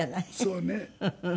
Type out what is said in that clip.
そうね。